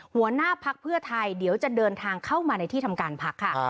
หัวหน้าพักเพื่อไทยเดี๋ยวจะเดินทางเข้ามาในที่ทำการพักค่ะ